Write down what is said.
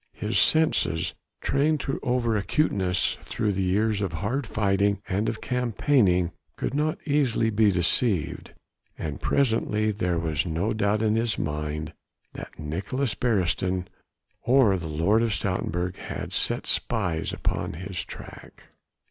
His senses, trained to over acuteness through years of hard fighting and of campaigning, could not easily be deceived; and presently there was no doubt in his mind that Nicolaes Beresteyn or the Lord of Stoutenburg had set spies upon his track.